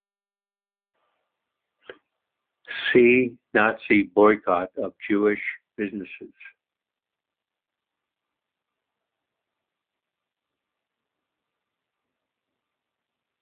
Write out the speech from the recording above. See Nazi boycott of Jewish businesses.